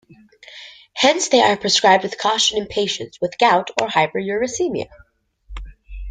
Hence they are prescribed with caution in patients with gout or hyperuricemia.